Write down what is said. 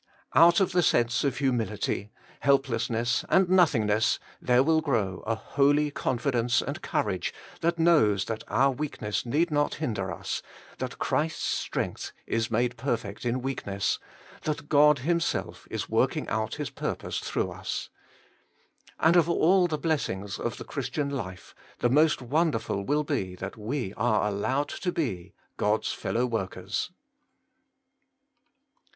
Out of the sense of humility, helplessness, and nothingness there will grow a holy confidence and courage that knows that our weakness need not hinder us, that Christ's strength is made perfect in weakness, that God Himself is working out His purpose through us. And of all the blessings of the Christian life, the most wonderful will be that we are allowed to be — God's fellow workers